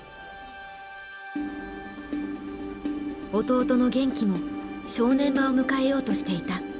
弟の玄暉も正念場を迎えようとしていた。